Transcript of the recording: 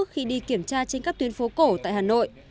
khi đi kiểm tra trên các tuyến phố cổ tại hà nội